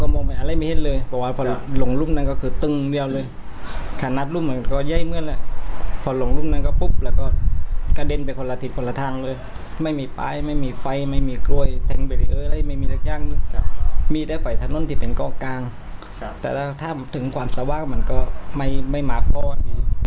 มีแต่ไฟถนนที่เป็นกล้องกลางแต่ถ้าถึงความสะวากมันก็ไม่มากก้อน